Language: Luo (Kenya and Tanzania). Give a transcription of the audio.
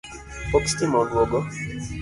Pok sitima oduogo